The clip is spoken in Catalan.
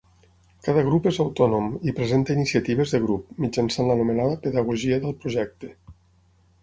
Cada grup és autònom i presenta iniciatives de grup, mitjançant l'anomenada Pedagogia del Projecte.